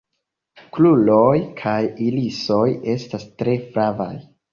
Kruroj kaj irisoj estas tre flavaj.